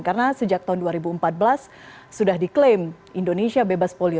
karena sejak tahun dua ribu empat belas sudah diklaim indonesia bebas polio